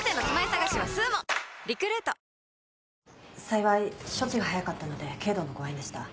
幸い処置が早かったので軽度の誤嚥でした。